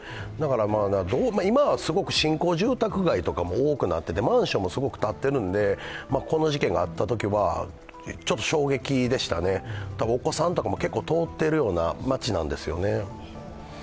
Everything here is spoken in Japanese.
今はすごく新興住宅街とかも多くなっていてマンションもすごく建っているので、この事件があったときはちょっと衝撃でしたね、お子さんとかも結構通ってるような町なんですよね。